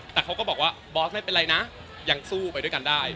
แต่เขาก็บอกว่าบอสไม่เป็นไรนะยังสู้ไปด้วยกันได้